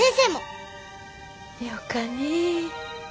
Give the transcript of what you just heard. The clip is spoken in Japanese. よかねぇ。